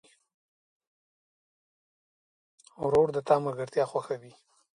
ورور د تا ملګرتیا خوښوي.